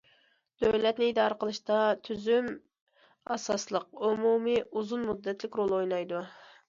دۆلەتنى ئىدارە قىلىشتا، تۈزۈم ئاساسلىق، ئومۇمىي، ئۇزۇن مۇددەتلىك رول ئوينايدۇ.